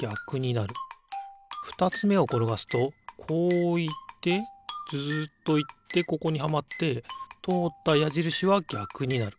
ふたつめをころがすとこういってずっといってここにはまってとおったやじるしはぎゃくになる。